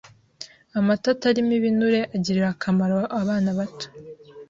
Amata atarimo ibinure agirira akamaro abana bato